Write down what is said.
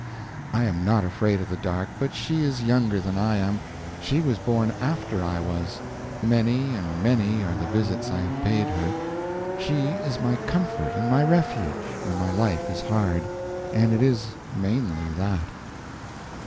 I am not afraid of the dark, but she is younger than I am; she was born after I was. Many and many are the visits I have paid her; she is my comfort and my refuge when my life is hard and it is mainly that.